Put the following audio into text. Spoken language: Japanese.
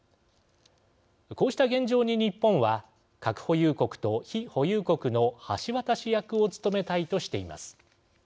こうした現状に日本は核保有国と非保有国の橋渡し役を務めたいとしています。